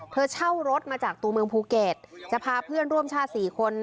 เช่ารถมาจากตัวเมืองภูเก็ตจะพาเพื่อนร่วมชาติ๔คน